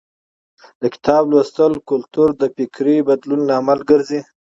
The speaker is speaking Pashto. د کتاب لوستلو کلتور د فکري بدلون لامل ګرځي.